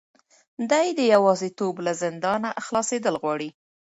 دی د یوازیتوب له زندانه خلاصېدل غواړي.